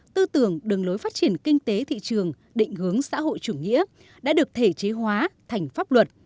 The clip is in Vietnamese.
tư tưởng đường lối phát triển kinh tế thị trường định hướng xã hội chủ nghĩa đã được thể chế hóa thành pháp luật